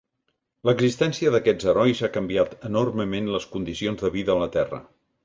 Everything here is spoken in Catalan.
L'existència d'aquests herois ha canviat enormement les condicions de vida a la Terra.